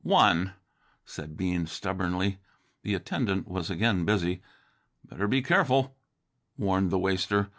"One," said Bean stubbornly. The attendant was again busy. "Better be careful," warned the waster.